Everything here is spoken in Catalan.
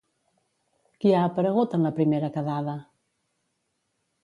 Qui ha aparegut en la primera quedada?